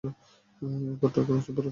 এই ঘরটা কিছু ভালো ঠেকছে না।